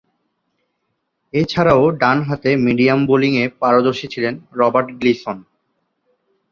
এছাড়াও, ডানহাতে মিডিয়াম বোলিংয়ে পারদর্শী ছিলেন রবার্ট গ্লিসন।